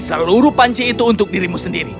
seluruh panci itu untuk dirimu sendiri